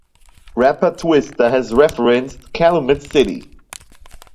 Rapper Twista has referenced Calumet City.